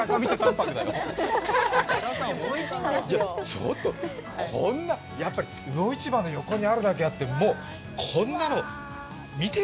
ちょっと、やっぱり魚市場の横にあるだけあって、こんなの。